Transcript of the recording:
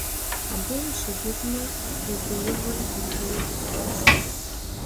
Абы ущыгугъмэ, уи гурыгъыр ижыну къысфӀощӀ.